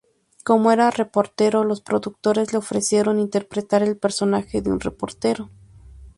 Como era reportero, los productores le ofrecieron interpretar el personaje de un reportero.